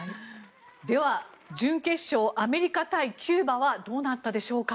では、準決勝アメリカ対キューバはどうなったでしょうか。